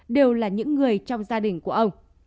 đều là những người trong gia đình của ông